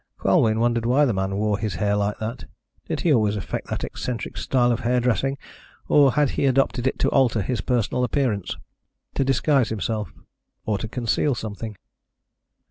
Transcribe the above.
Colwyn wondered why the man wore his hair like that. Did he always affect that eccentric style of hairdressing, or had he adopted it to alter his personal appearance to disguise himself, or to conceal something?